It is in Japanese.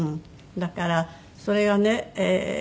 だからそれがね